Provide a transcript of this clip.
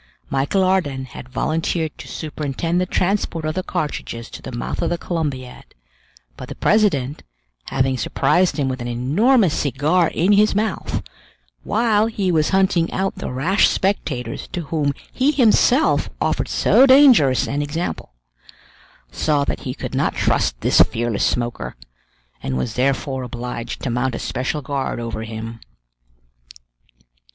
Michel Ardan had volunteered to superintend the transport of the cartridges to the mouth of the Columbiad; but the president, having surprised him with an enormous cigar in his mouth, while he was hunting out the rash spectators to whom he himself offered so dangerous an example, saw that he could not trust this fearless smoker, and was therefore obliged to mount a special guard over him.